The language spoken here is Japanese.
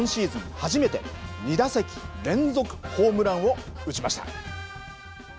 初めて２打席連続ホームランを打ちました。